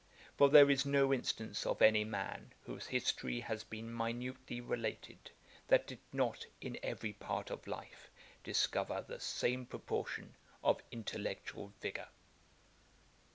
For, there is no instance of any man, whose history has been minutely related, that did not in every part of life discover the same proportion of intellectual vigour.'